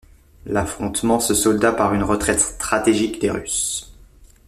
L'affrontement se solda par une retraite stratégique des Russes.